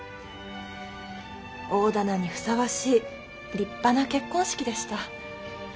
大店にふさわしい立派な結婚式でした。